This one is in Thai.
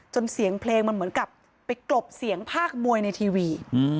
เสียงเพลงมันเหมือนกับไปกลบเสียงภาคมวยในทีวี